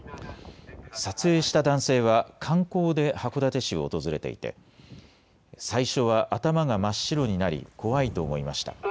撮影した男性は観光で函館市を訪れていて最初は頭が真っ白になり怖いと思いました。